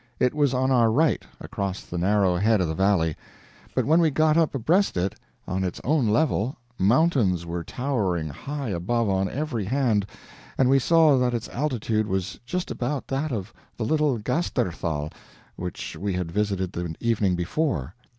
It was on our right, across the narrow head of the valley. But when we got up abreast it on its own level, mountains were towering high above on every hand, and we saw that its altitude was just about that of the little Gasternthal which we had visited the evening before.